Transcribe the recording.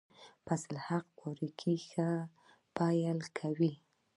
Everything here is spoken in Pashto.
فضل الحق فاروقي ښه پیل کوي.